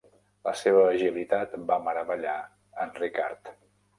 La seva agilitat va meravellar en Ricard.